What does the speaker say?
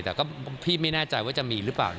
แต่ก็พี่ไม่แน่ใจว่าจะมีหรือเปล่า